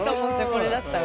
これだったら。